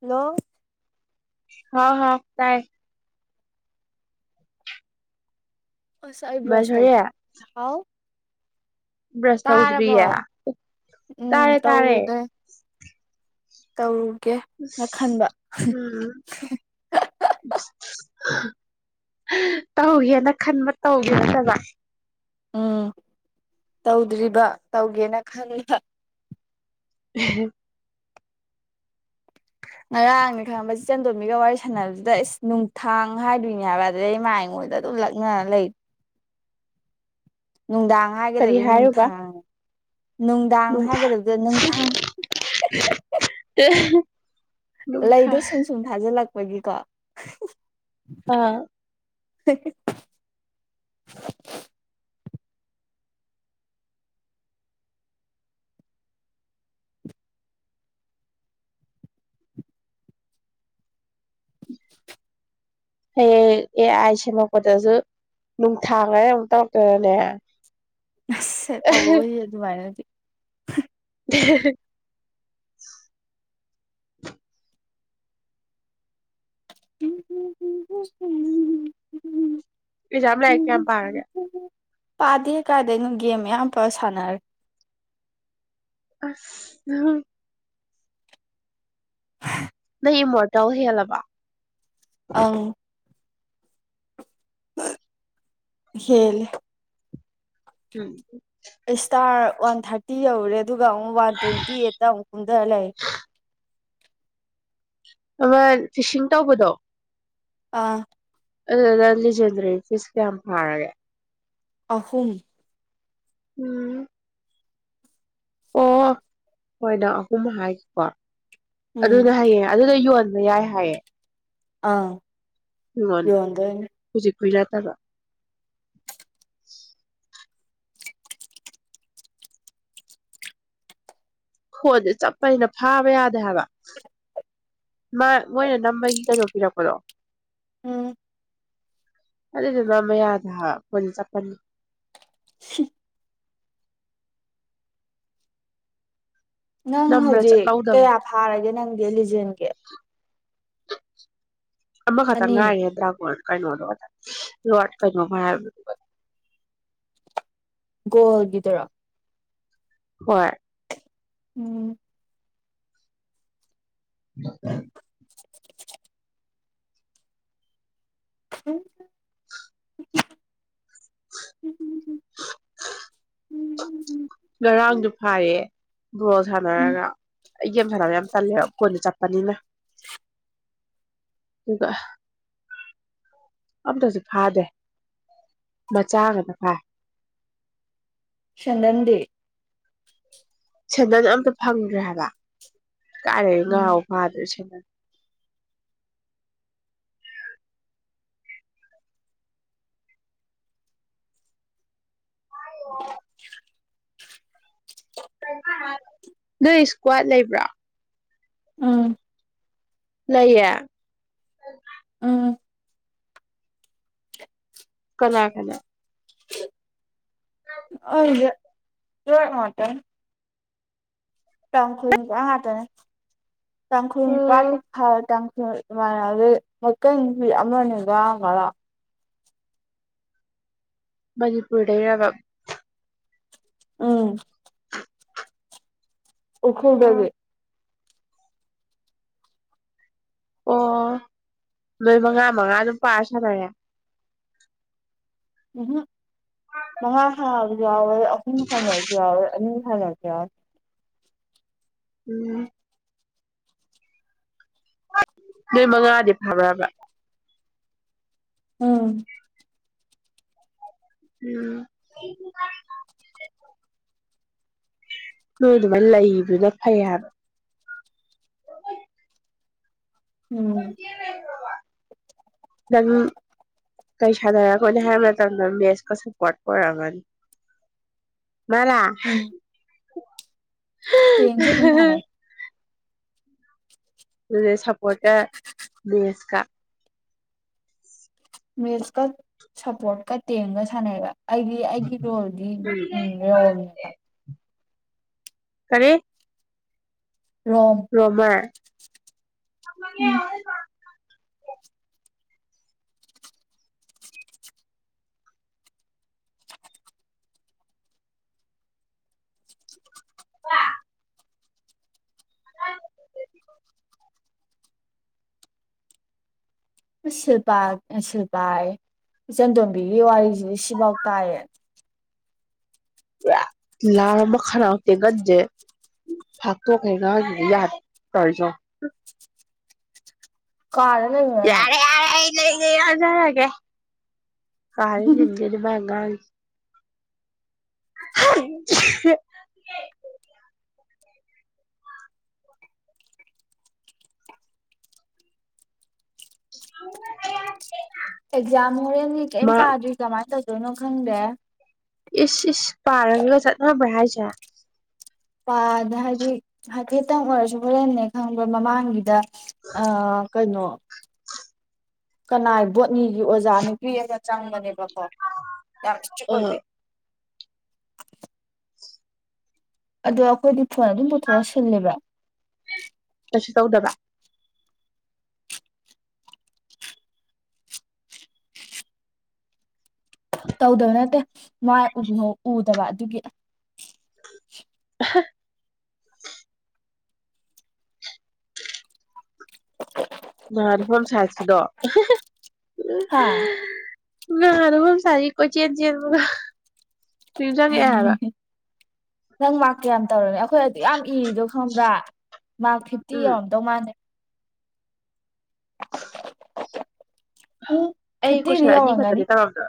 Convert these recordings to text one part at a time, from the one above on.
hello ꯍ ꯍꯥꯎ ꯇꯥꯏ ꯑꯁ ꯑꯩ ꯕ꯭ꯔꯥꯁ ꯇꯧ ꯍꯥꯎ ꯕ꯭ꯔꯥꯁ ꯇꯥꯔꯕꯣ ꯇꯧꯗꯤꯔꯌꯦ ꯎꯝ ꯇꯥꯔꯦ ꯇꯥꯔꯦ ꯇꯝ ꯒꯦ ꯅ ꯑꯁ ꯈꯟꯕ ꯍꯨꯝ ꯎꯝ ꯍꯛ ꯍꯛ ꯇꯧꯒꯦꯅ ꯈꯟꯕ ꯇꯧꯒꯦ ꯅꯠꯇꯕ ꯎꯝ ꯇꯧꯗ꯭ꯔꯤꯕ ꯇꯧꯒꯦꯅ ꯈꯟꯕ ꯑꯍꯦ ꯉꯔꯥꯡꯅꯦ ꯈꯪꯕ ꯢꯆꯟꯗꯣꯝꯕꯤꯒ ꯋꯥꯔꯤ ꯁꯥꯟꯅꯕꯁꯤꯗ ꯏꯁꯁ ꯅꯨꯡꯊꯥꯡ ꯍꯥꯏꯗꯣꯏꯅꯦ ꯍꯥꯏꯕ ꯑꯗꯨꯗꯩꯃꯅ ꯑꯩꯉꯣꯟꯗ ꯑꯗꯨꯝ ꯂꯛꯅꯔ ꯂꯩ ꯅꯨꯡꯗꯥꯡ ꯀꯔꯤ ꯍꯥꯏꯒꯗꯕꯗꯨ ꯍꯥꯏꯔꯨꯕ ꯅꯨꯡꯊꯥꯡ ꯅꯨꯡꯗꯥꯡ ꯅꯨꯡꯊꯥ ꯍꯥꯏꯒꯗꯕꯗ ꯅꯨꯡꯊꯥꯡ ꯅꯨꯡꯊꯥ ꯂꯩꯗꯣ ꯁꯨꯝ ꯁꯨꯝ ꯊꯥꯖꯜꯂꯛ ꯑꯣꯢꯕꯤꯄꯥ ꯎꯡ ꯑꯥ ꯍ ꯍꯦ ꯍꯌꯦꯡ ꯑꯦ ꯑꯥꯏ ꯁꯦꯝꯃꯛꯄꯗꯁꯨ ꯅꯨꯡꯊꯥꯡ ꯍꯥꯢꯅ ꯑꯃꯨꯛ ꯇꯧꯔꯛꯇꯅꯅꯦ ꯑꯁꯦ ꯇꯧꯔꯛꯑꯣꯏ ꯌꯦ ꯑꯗꯨꯃꯥꯏꯅꯗꯤ ꯍ ꯑ ꯍꯦ ꯍꯦ ꯍꯨꯝ ꯍꯨꯝ ꯍꯨꯝ ꯏꯖꯝ ꯂꯥꯏꯔꯤꯛ ꯀꯌꯥꯝ ꯄꯥꯔꯒꯦ ꯄꯥꯗꯦ ꯀꯥꯏꯗꯩꯅꯨ ꯒꯦꯝ ꯃꯌꯥꯝ ꯄꯨꯔꯥ ꯁꯥꯟꯅꯔꯤ ꯑꯍꯥ ꯅꯪ ꯢꯝꯃꯣꯇꯦꯜ ꯍꯦꯜꯂꯕꯣ ꯑꯥꯡ ꯍꯦꯜꯂꯦ ꯎꯝ ꯏꯁꯇꯥꯔ ꯋꯥꯟ ꯊꯥꯔꯇꯤ ꯌꯧꯔꯦ ꯑꯗꯨꯒ ꯑꯃꯨꯛ ꯋꯥꯟ ꯇ꯭ꯋꯦꯟꯇꯤ ꯑꯦꯠꯇ ꯑꯃꯨꯛ ꯀꯨꯝꯗ ꯂꯩꯔꯦ ꯑꯃ ꯐꯤꯁꯤꯡ ꯇꯧꯕꯗꯣ ꯑꯥ ꯑꯗꯨꯗ ꯂꯤꯖꯦꯟꯗ꯭ꯔꯤ ꯐꯤꯁ ꯀꯌꯥꯝ ꯐꯥꯔꯒꯦ ꯑꯍꯨꯝ ꯎꯝ ꯑꯣ ꯍꯣꯏꯗ ꯑꯍꯨꯝ ꯍꯥꯏꯒꯤꯀꯣ ꯎꯝ ꯑꯗꯨꯅ ꯍꯌꯦꯡ ꯑꯗꯨꯗꯣ ꯌꯣꯟ ꯕꯌꯥꯏ ꯍꯥꯏꯌꯦ ꯑꯥ ꯃꯤꯉꯣꯟꯗ ꯍꯨꯖꯤꯛ ꯀꯏꯔ ꯇꯕ ꯐꯣꯟꯗꯦ ꯆꯞꯄꯅꯤꯅ ꯐꯥꯕ ꯌꯥꯗꯦ ꯍꯥꯏꯕ ꯃꯥ ꯃꯣꯏꯅ ꯅꯝꯕꯒꯤ ꯀꯩꯅꯣ ꯄꯤꯔꯛꯄꯗꯣ ꯎꯝ ꯑꯗꯨꯗꯣ ꯅꯝꯕ ꯌꯥꯗꯦ ꯍꯥꯢꯕ ꯐꯣꯟꯖꯦ ꯆꯠꯄꯅꯤ ꯁꯤ ꯅꯪ ꯅꯝꯕꯗ ꯍꯧꯖꯤꯛ ꯆꯠꯍꯧꯗꯕꯅꯤ ꯀꯌꯥ ꯐꯥꯔꯒꯦ ꯅꯪꯗꯤ ꯂꯤꯖꯦꯟꯒꯤ ꯑꯃꯈꯛꯇꯪ ꯑꯅꯤ ꯉꯥꯏꯔꯦ ꯗ꯭ꯔꯥꯒꯣꯟ ꯀꯩꯅꯣ ꯑꯗꯥ ꯂꯣꯠ ꯀꯩꯅꯣꯝ ꯍꯥꯏꯕꯅꯦ ꯒꯣꯜꯒꯤꯗꯨꯔꯥ ꯍꯣꯢ ꯎꯝ [unintelligible] [unintelligible] [unintelligible] ꯎꯝ ꯎꯝ ꯎꯝ ꯉꯔꯥꯡꯗꯨ ꯐꯥꯌꯦ ꯕꯣꯜ ꯁꯥꯟꯅꯔꯒ ꯑꯩ ꯒꯦꯝ ꯁꯥꯟꯅꯕ ꯌꯥꯝ ꯇꯜꯂꯦꯕ ꯐꯣꯟꯗꯣ ꯆꯞꯄꯅꯤꯅ ꯑꯗꯨꯒ ꯑꯝꯇꯁꯨ ꯐꯥꯗꯦ ꯃꯆꯥꯒꯇ ꯐꯥꯏ ꯁꯦꯟꯗꯟꯗꯤ ꯁꯦꯟꯗꯟ ꯑꯝꯇ ꯐꯪꯗ꯭ꯔꯦ ꯍꯥꯏꯕ ꯀꯥꯢꯗꯩ ꯉꯥ ꯎꯝ ꯐꯥꯗꯣꯢꯁꯤꯕꯨ [unintelligible] [inaudible] ꯅꯣꯏ ꯏꯁꯀ꯭ꯋꯥꯠ ꯂꯩꯕ꯭ꯔꯥ ꯎꯝ ꯂꯩꯌꯦ ꯎꯝ ꯀꯅꯥ ꯀꯅꯥ ꯑꯩꯒꯥ ꯇꯣꯏ ꯉꯥꯇꯥꯡ ꯇꯥꯡꯈꯨꯟ ꯍꯥ ꯉꯥꯇꯅꯦ ꯇꯥꯡꯈꯨꯟ ꯀꯨꯋꯥꯠ ꯇꯨ ꯎꯝ ꯐꯔ ꯇꯪ [unintelligible] ꯃꯅꯤꯄꯨꯔꯗꯩ ꯔꯕꯥ ꯎꯝ ꯎ꯭ꯔꯈꯨꯜ ꯗꯒꯤ ꯎꯝ ꯑꯣ ꯅꯣꯏ ꯃꯉꯥ ꯃꯉꯥ ꯑꯗꯨꯝ ꯄꯥꯔ ꯁꯥꯟꯅꯔꯦ ꯎꯝ ꯍꯨꯝ ꯃꯉꯥ ꯁꯥꯅꯕꯖꯨ ꯌꯥꯎꯋꯦ ꯑ ꯑꯍꯨꯝ ꯁꯟꯅꯕꯁꯨ ꯌꯥꯎꯑꯦ ꯑꯅꯤ ꯁꯟꯕꯖꯨ ꯌꯥꯎꯑꯦ ꯎꯝ ꯅꯣꯏ ꯃꯉꯥꯗꯤ ꯐꯕ꯭ꯔꯕ ꯎꯝ ꯎꯝ [inaudible] ꯅꯣꯏ ꯑꯗꯨꯃꯥꯏꯅ ꯂꯩꯕꯅ ꯐꯩ ꯍꯥꯏꯕ ꯎꯝ ꯅꯪ ꯀꯩ ꯁꯥꯟꯅꯔꯀꯅꯤ ꯍꯥꯏꯕ ꯃꯇꯝꯗ ꯃꯦꯁꯀ ꯁꯄꯣꯔꯠ ꯑꯣꯏꯔꯝꯒꯅꯤ ꯃꯥꯜꯂ ꯔꯦꯡꯁꯨ ꯑꯗꯨꯝ ꯁꯟꯅꯩ [unintelligible] ꯄꯣꯏꯇ ꯃꯦꯁꯀꯥ [inaudible] ꯃꯦꯁꯀ ꯁꯞꯄꯣꯔꯠꯀ ꯇꯦꯡꯒ ꯁꯥꯟꯅꯔꯒ ꯑꯩꯗꯤ ꯑꯩꯒꯤ ꯔꯣꯜꯗꯤ ꯎꯝ ꯔꯣꯝꯅꯦꯕ ꯀꯔꯤ ꯔꯣꯝ ꯔꯣꯝꯃꯔ [unintelligible] ꯎꯝ [unintelligible] ꯢꯁ ꯁꯤꯜꯄ ꯁꯤꯜꯄꯌꯦ ꯢꯆꯟꯇꯣꯝꯕꯤꯒꯤ ꯋꯥꯔꯤꯁꯤꯗꯤ ꯁꯤꯐꯥꯎ ꯇꯥꯏꯌꯦ ꯄꯨꯔꯥ ꯂꯥꯎꯔ ꯃꯈꯥꯅꯎ ꯇꯦꯡꯒꯟꯖꯦ ꯐꯥꯛꯇꯣꯛꯀꯩ ꯉꯥꯡꯗ꯭ꯔꯗꯤ ꯌꯥꯗꯦ ꯇꯧꯔꯤꯖꯦꯉꯣ ꯀꯥꯗ ꯂꯩꯕ꯭ꯔ ꯅ ꯂꯩ ꯂꯩ ꯑꯖꯔꯒꯦ ꯀꯥꯗ ꯅꯤꯟꯒꯩ ꯃꯥꯅꯉꯥꯡ [unintelligible] [unintelligible] ꯑꯦꯛꯖꯥꯝ ꯍꯣꯔꯦꯟꯅꯤ ꯀꯩꯝ ꯃꯥ ꯄꯥꯗ꯭ꯔꯤ ꯀꯃꯥꯏꯅ ꯇꯧ ꯗꯩꯅꯣ ꯈꯪꯗ ꯏꯁ ꯏꯁ ꯄꯥꯔꯔꯒ ꯆꯠꯅꯕ꯭ꯔ ꯍꯥꯏꯁꯦ ꯄꯥꯗ ꯍꯥꯏꯗꯤ ꯍꯥꯏꯐꯦꯠꯇꯪ ꯑꯣꯏꯔꯁꯨ ꯍꯣꯔꯦꯟꯅꯦ ꯈꯪꯕ꯭ꯔ ꯃꯃꯥꯡꯒꯤꯗ ꯑꯥ ꯀꯩꯅꯣ ꯀꯅꯥꯏ ꯕꯣꯠꯅꯤꯒꯤ ꯑꯣꯖꯥ ꯅꯨꯄꯤ ꯑꯃ ꯆꯪꯕꯅꯦꯕ ꯑꯣ ꯌꯥꯝ ꯁ꯭ꯇꯤꯛ ꯑꯦ ꯑꯣꯏꯕꯤ ꯑꯗꯣ ꯑꯩꯈꯣꯏꯗꯤ ꯐꯣꯟ ꯑꯗꯨꯝ ꯄꯨꯇꯣꯛꯑ ꯁꯤꯜꯂꯦꯕ ꯀꯩꯁꯨ ꯇꯧꯗꯕ ꯇꯧꯗꯕ ꯅꯠꯇꯦ ꯃꯥꯏ ꯎꯗꯕ ꯑꯗꯨꯒꯤ [inaudible] [inaudible] ꯅꯍꯥꯟ ꯍꯣꯝꯁꯥꯟꯢꯁ ꯀꯤꯗꯣ [inaudible] [unintelligible] ꯍꯥ ꯅꯗꯕ ꯃꯨꯛ ꯁꯥꯔꯤ ꯀꯣꯢꯆꯦꯟ ꯆꯦꯟꯕꯒ ꯅꯤꯡꯖꯪ ꯑꯦ ꯍꯥꯏꯕ ꯅꯪ ꯃꯥꯥꯛ ꯌꯥꯝ ꯇꯧꯔꯃꯤ ꯑꯩꯈꯣꯏ ꯑꯗꯨ ꯌꯥꯝ ꯏꯔꯤꯗꯣ ꯈꯪꯕ꯭ꯔꯥ ꯃꯥꯛ ꯐꯤꯐꯇꯤ ꯎꯝ ꯌꯥꯎꯔꯝꯗꯧ ꯃꯥꯥꯟꯅꯦ [inaudible] ꯎꯝ ꯑꯩ ꯐꯤꯐꯇꯤꯗꯤ ꯀꯣꯏꯁꯟ ꯑꯅꯤ ꯌꯧꯔꯝꯒꯅꯤ ꯈꯛꯇꯅꯦ ꯇꯧꯔꯝꯗꯕ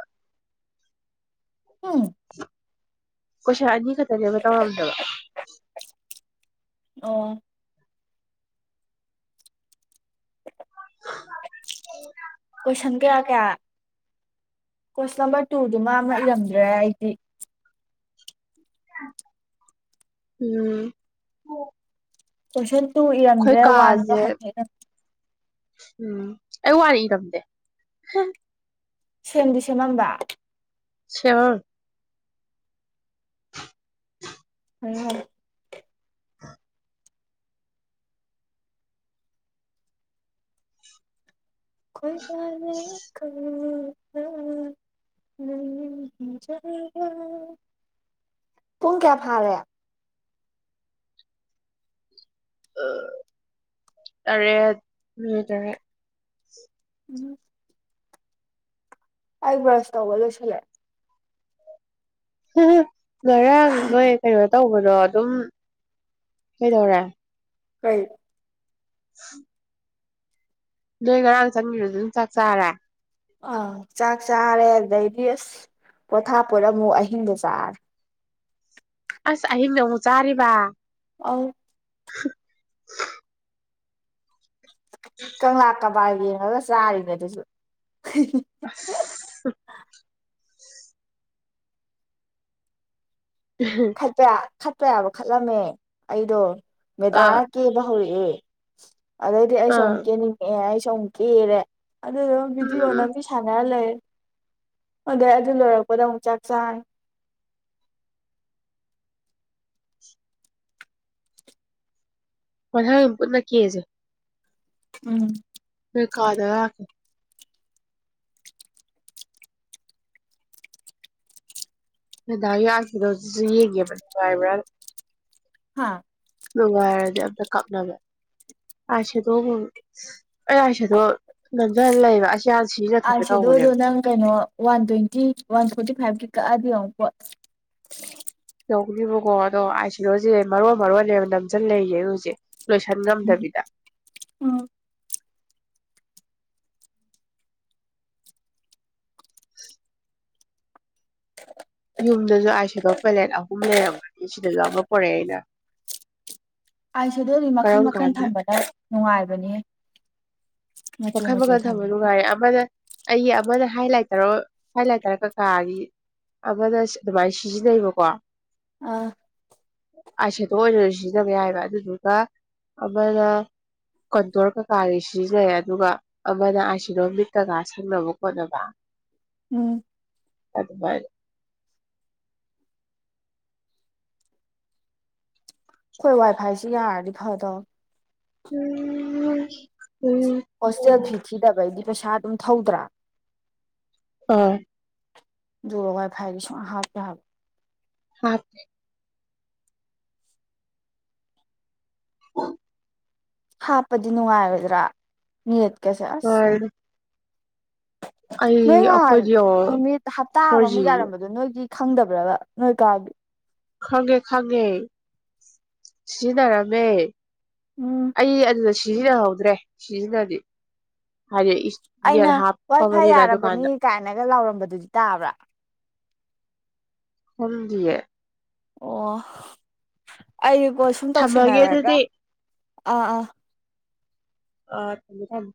ꯍꯨꯝ ꯀꯣꯢꯁꯟ ꯑꯅꯤ ꯈꯛ ꯁꯕꯖꯦ ꯑꯃ ꯇꯧꯔꯝꯗ꯭ꯔꯕ ꯑꯣ ꯀꯣꯏꯁꯟ ꯀꯌꯥ ꯀꯌꯥ ꯀꯣꯏꯁꯟ ꯅꯝꯕꯔ ꯇꯨꯗꯨꯃ ꯑꯃ ꯏꯔꯝꯗ꯭ꯔꯦ ꯑꯩꯗꯤ ꯎꯝ ꯀꯣꯢꯁꯟ ꯇꯨ ꯑꯩꯈꯣꯏ ꯏꯔꯝꯗ꯭ꯔꯦ ꯋꯥꯟꯗꯣ ꯀꯥꯁꯦ ꯍꯥꯏꯐꯠꯇꯥꯡ ꯎꯝ ꯑꯩ ꯋꯥꯟ ꯏꯔꯝꯗꯦ ꯁꯦꯝꯗꯤ ꯁꯦꯝꯃꯝꯕ ꯁꯤꯌꯝ ꯍꯥꯏꯌꯨ ꯍꯥꯏꯌꯨ [inaudible] ꯈꯣꯏꯗꯔꯛꯈꯣ ꯄꯨꯡ ꯀꯌꯥ ꯐꯥꯔꯦ ꯑꯥ ꯇꯔꯦꯠ ꯃꯤꯅꯥꯠ ꯇꯔꯦꯠ ꯎꯝ ꯑꯩ ꯕ꯭ꯔꯁ ꯇꯧꯕ ꯂꯣꯏꯁꯟꯂꯦ [unintelligible] ꯉꯥꯔꯥꯡ ꯅꯣꯢ ꯀꯩꯅꯣ ꯇꯧꯕꯗꯣ ꯑꯗꯨꯝ ꯀꯩꯗꯧꯔꯦ ꯀꯩ [inaudible] ꯅꯣꯏ ꯉꯔꯥꯡ ꯆꯪꯉꯤꯕꯗꯨ ꯑꯗꯨꯝ ꯆꯥꯛ ꯆꯥꯔꯦ ꯑꯥ ꯆꯥꯛ ꯆꯥꯔꯦ ꯑꯗꯩꯗꯤ ꯑꯁ ꯄꯣꯊꯥꯞꯄꯣꯠ ꯑꯃꯨꯛ ꯑꯍꯤꯡꯗ ꯆꯥꯔꯦ ꯑꯁ ꯑꯍꯤꯡꯗ ꯑꯃꯨꯛ ꯆꯥꯔꯤꯕ ꯑꯎ [unintelligible] ꯀꯪꯂꯥ ꯀꯗꯥꯏ ꯌꯦꯡꯉꯒ ꯆꯥꯔꯤꯅꯦ ꯑꯗꯨꯁꯨ ꯑꯁ ꯈꯠꯄ ꯈꯠꯄ ꯌꯥꯕ ꯈꯠꯂꯝꯃꯦ ꯑꯩꯗꯣ ꯃꯦꯗꯥꯅ ꯑꯥ ꯀꯦꯕ ꯍꯧꯔꯛꯑꯦ [inaudible] ꯑꯗꯨꯗꯩꯗꯤ ꯑꯩꯁꯨ ꯑꯃꯨꯛ ꯑꯥ ꯀꯦꯟꯅꯤꯡꯉꯛꯑꯦ ꯑꯩ ꯑꯃꯨꯛ ꯀꯦꯔꯦ ꯑꯗꯨꯒꯥ ꯕꯤꯗꯤꯑꯣ ꯎꯝ ꯅꯝꯕꯤ ꯁꯥꯟꯅꯔ ꯂꯩꯔꯦ ꯑꯗꯣ ꯑꯗꯨ ꯂꯣꯏꯔꯛꯄꯗ ꯑꯃꯨꯛ ꯆꯥꯛ ꯆꯥꯔꯅꯤ ꯃꯊꯪ ꯄꯨꯟꯅ ꯀꯦꯖꯦ ꯎꯝ ꯅꯣꯢ ꯀꯥꯗ ꯂꯛ ꯀꯦ ꯃꯦꯗꯥꯒꯤ ꯑꯥꯢꯁꯦꯗꯣꯖꯨ ꯌꯦꯡꯒꯦ ꯅꯨꯡꯉꯥꯏꯕ꯭ꯔꯥꯅ ꯍꯥꯥ ꯅꯨꯡꯉꯥꯏꯔꯗꯤ ꯑꯝꯇ ꯀꯛꯅꯕ ꯑꯥꯏꯁꯦꯗꯣ ꯑꯩꯥ ꯑꯥꯢꯁꯦꯗꯣ ꯅꯝꯖꯟ ꯂꯩꯕ ꯑꯁ ꯑꯥꯏꯁꯦꯗꯣꯗꯣ ꯅꯪ ꯀꯩꯅꯣ ꯋꯥꯟ ꯇ꯭ꯋꯦꯟꯇꯤ ꯋꯥꯟ ꯐꯣꯔꯇꯤ ꯐꯥꯏꯀꯤ ꯀꯛꯑꯗꯤ ꯌꯦꯡꯉꯣ ꯄꯣꯠ ꯇꯧꯅꯤꯕꯀꯣ ꯑꯗꯣ ꯑꯥꯏ ꯁꯤꯔꯣꯁꯦ ꯃꯔꯣꯟ ꯃꯔꯣꯟ ꯅꯦꯕ ꯅꯝꯆꯟ ꯂꯩꯖꯦ ꯑꯦ ꯍꯧꯖꯤꯛ ꯂꯣꯏꯁꯟ ꯉꯝꯗꯕꯤꯗ ꯎꯝ ꯌꯨꯝꯗꯁꯨ ꯑꯥꯢꯁꯤꯗꯣ ꯄꯦꯂꯦꯠ ꯑꯍꯨꯝ ꯂꯩꯔꯝꯒꯅꯤ ꯁꯤꯗꯁꯨ ꯑꯃ ꯄꯨꯔꯛꯑꯦ ꯑꯩꯅ ꯑꯥꯏꯁꯦꯗꯣ ꯗꯤ ꯃꯈꯟ ꯀꯔꯝ ꯃꯈꯟ ꯀꯥꯟꯗ ꯊꯝꯕꯅꯦ ꯅꯨꯡꯉꯥꯏꯕꯅꯦꯍꯦ ꯃꯈꯜ ꯃꯈꯜ ꯊꯝꯕ ꯅꯨꯡꯉꯥꯏꯔꯦ ꯑꯃꯅ ꯑꯩꯒꯤ ꯑꯃꯅ ꯍꯥꯏ ꯂꯥꯏꯇꯔ ꯍꯥꯏ ꯂꯥꯏꯇꯔ ꯀꯀꯥꯒꯤ ꯑꯃꯗ ꯑꯗꯨꯃꯥꯏꯅ ꯁꯤꯖꯤꯟꯅꯩꯕꯀꯣ ꯑꯥ ꯑꯥꯏ ꯁꯦꯗꯣ ꯑꯣꯏꯅꯁꯨ ꯁꯤꯖꯤꯟꯅꯕ ꯌꯥꯏꯑꯕ ꯑꯗꯨꯗꯨꯒ ꯑꯃꯅ ꯀꯟꯇꯣꯔ ꯀꯀꯥꯒꯤ ꯁꯤꯖꯤꯟꯅꯩ ꯑꯗꯨꯒ ꯑꯃꯅ ꯑꯥꯢꯁꯤꯗꯣ ꯃꯤꯠ ꯀꯩꯀꯥ ꯁꯪꯅꯕ ꯈꯣꯠꯅꯕ ꯎꯝ ꯑꯗꯨꯃꯥꯢ ꯈꯣꯏ ꯋꯥꯏ ꯐꯥꯏꯁꯤ ꯌꯥꯔꯗꯤ ꯐꯗꯧꯅꯦ ꯎꯝꯝꯝ ꯍꯣꯁꯇꯦꯜ ꯐꯤ ꯊꯤꯗꯕꯩꯅꯤ ꯄꯩꯁꯥ ꯑꯗꯨꯝ ꯊꯧꯗ꯭ꯔꯥ ꯑꯥ ꯗꯨꯒꯥ ꯐꯥꯏꯐꯥꯢ ꯁꯨꯛ ꯍꯥꯄ ꯍꯥꯞꯇꯦ ꯍꯥꯕ ꯍꯥꯞ ꯐꯦ [inaudible] ꯍꯥꯞꯄꯗꯤ ꯅꯨꯡꯉꯥꯏꯔꯣꯢꯗ꯭ꯔꯥ ꯃꯤ ꯀꯁꯦ ꯑꯁ ꯑꯩ ꯅꯣꯏ ꯉꯍꯥꯟ ꯑꯩꯈꯣꯏꯗꯤ ꯌꯦꯡꯉꯣ ꯅꯨꯃꯤꯠ ꯍꯞꯇꯥ ꯐꯣꯔ ꯖꯤ ꯑꯃꯃꯨꯛ ꯌꯥꯔꯝꯕꯗꯣ ꯅꯣꯏꯒꯤ ꯈꯪꯗꯕ꯭ꯔꯥꯕ ꯅꯣꯏ ꯀꯥꯒꯤ ꯈꯪꯉꯦ ꯈꯪꯉꯦ ꯁꯤꯖꯤꯟꯅꯔꯝꯃꯦ ꯎꯝ ꯑꯩ ꯑꯗꯨꯗ ꯁꯤꯖꯤꯟꯅꯍꯧꯗ꯭ꯔꯦ ꯁꯤꯖꯤꯟꯅꯗꯤ ꯍꯥꯏꯗꯤ ꯅꯦꯠ ꯑꯩꯅ ꯋꯥꯏ ꯐꯥꯏ ꯍꯥꯞꯄꯕꯅꯤꯅ ꯌꯥꯔꯕꯅꯤ ꯗꯨꯀꯥꯟꯗ ꯀꯥꯏꯅꯒ ꯂꯥꯎꯔꯝꯕꯗꯨꯗꯤ ꯇꯥꯕ꯭ꯔꯥ ꯈꯪꯗꯤꯌꯦ ꯑꯣ ꯑꯩꯕꯣ ꯁꯨꯝ ꯊꯝꯃꯒꯦ ꯇꯧꯁꯟꯅꯔꯒ ꯑꯗꯨꯗꯤ ꯑꯥ ꯑꯥ ꯑ ꯊꯝꯃꯦ ꯊꯝꯃꯦ